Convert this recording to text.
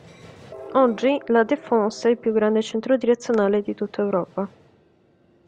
Oggi, La Défense è il più grande centro direzionale di tutta Europa.